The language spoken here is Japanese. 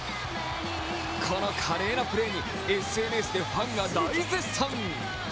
この華麗なプレーにＳＮＳでファンが大絶賛。